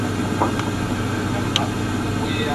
Kuchanja wanyama mara mbili kwa mwaka